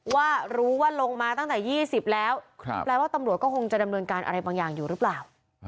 ว่ารู้ว่าลงมาตั้งแต่๒๐แล้วแปลว่าตำรวจก็คงจะดำเนินการอะไรบางอย่างอยู่หรือเปล่า